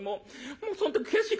もうその時悔しいからね